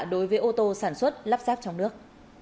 đối với ô tô sản xuất lắp ráp trong nước